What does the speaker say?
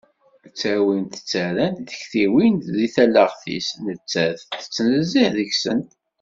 Ttawint ttarrant tektiwin deg tallaɣt-is netta-t tettnezzih deg-sent.